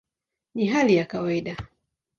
Ni hali ya kawaida".